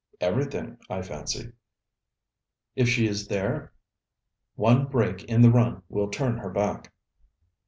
'Everything, I fancy.' 'If she is there!' 'One break in the run will turn her back.'